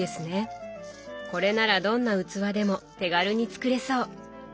これならどんな器でも手軽に作れそう。